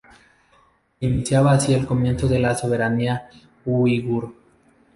Se iniciaba así el comienzo de la soberanía uigur.